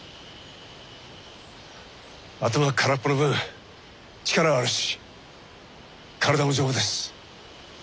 頭は空っぽな分力はあるし体も丈夫です。